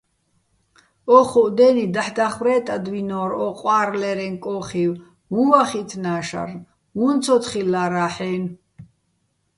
ო́ჴუჸ დე́ნი დაჰ̦ დახვრე́ტადვინორ ო ყვა́რლერეჼ კოხივ, უ̂ჼ ვახითნა შარნ, უ̂ჼ ცო თხილლარა́ჰ̦-აჲნო̆.